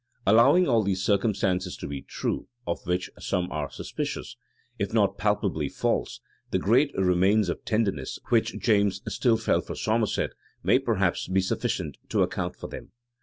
Allowing all these circumstances to be true, of which some are suspicious, if not palpably false,[*] the great remains of tenderness which James still felt for Somerset, may, perhaps, be sufficient to account for them.